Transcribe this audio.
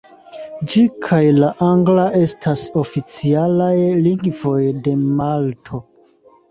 Ĝi kaj la angla estas oficialaj lingvoj de Malto.